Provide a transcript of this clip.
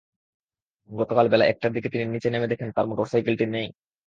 গতকাল বেলা একটার দিকে তিনি নিচে নেমে দেখেন তাঁর মোটরসাইকেলটি নেই।